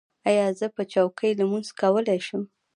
ایا زه په چوکۍ لمونځ کولی شم؟